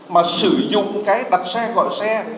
mà sử dụng cái đặt xe gọi xe